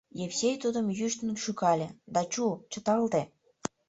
Евсей тудым йӱштын шӱкале: «Да чу, чыталте!